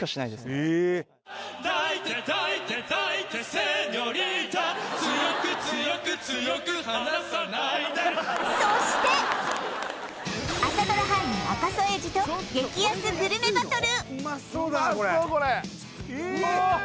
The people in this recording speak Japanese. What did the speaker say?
更にそして朝ドラ俳優赤楚衛二と激安グルメバトル